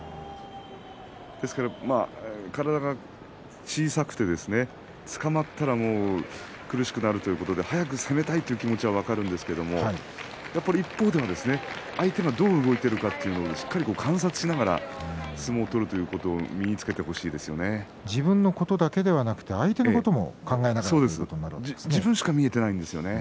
ですから体が小さくてつかまったら苦しくなるということで早く攻めたいという気持ちは分かるんですけれど一方では相手がどう動いているかをしっかり観察しながら相撲を取るということを自分のことだけではなく相手のことも考えながらということになるんですね。